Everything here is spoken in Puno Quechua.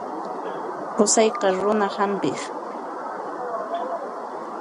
Qusayqa runa hampiq.